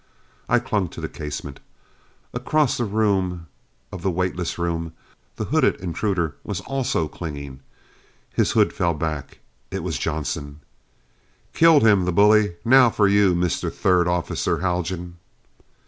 I clung to the casement. Across the room of the weightless room the hooded intruder was also clinging. His hood fell back. It was Johnson. "Killed him, the bully! Now for you, Mr. Third Officer Haljan!"